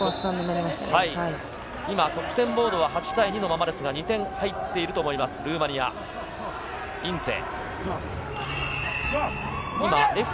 今、得点ボード８対２のままですが、２点入っていると思います、ルーマニア、インツェ。